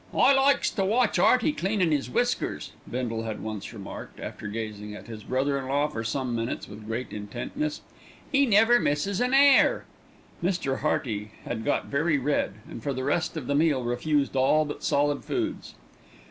"I likes to watch 'Earty cleanin' 'is whiskers," Bindle had once remarked, after gazing at his brother in law for some minutes with great intentness. "'E never misses an 'air." Mr. Hearty had got very red, and for the rest of the meal refused all but solid foods.